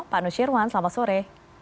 pak nusirwan selamat sore